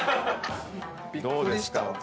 どうですか？